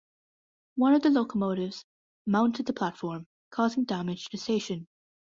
One of the locomotives mounted the platform, causing damage to the station.